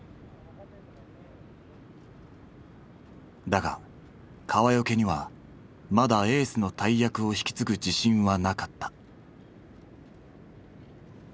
だが川除にはまだエースの大役を引き継ぐ自信はなかった。